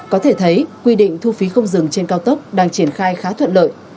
có thể thấy quy định thu phí không dừng trên cao tốc đang triển khai khá thuận lợi